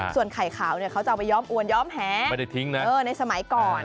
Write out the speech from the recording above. ส่วนไข่ขาวเนี่ยเขาจะเอาไปย้อมอวนย้อมแหไม่ได้ทิ้งนะในสมัยก่อน